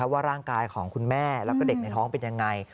ว่าร่างกายของคุณแม่แล้วก็เด็กในท้องเป็นยังไง